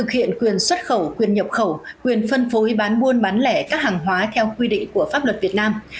quyền xuất khẩu quyền nhập khẩu quyền phân phối bán buôn bán lẻ các hàng hóa theo quy định của pháp luật việt nam